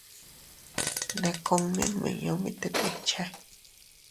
Ne kunni nmiñu mit tet ikche.